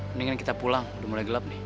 mendingan kita pulang udah mulai gelap nih